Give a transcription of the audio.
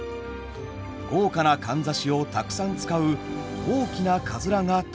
豪華なかんざしをたくさん使う大きなかづらが特徴です。